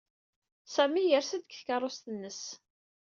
Sami yers-d seg tkeṛṛust-nnes.